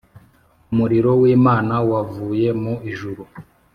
Umuriro w’Imana wavuye mu ijuru